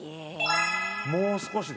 もう少しで。